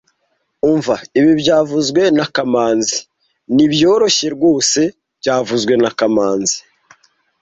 Umva ibi byavuzwe na kamanzi Nibyoroshye rwose byavuzwe na kamanzi